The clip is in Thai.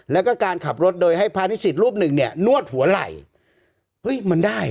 แล้วก็การขับรถโดยให้พระนิสิตรูปหนึ่งเนี่ยนวดหัวไหล่เฮ้ยมันได้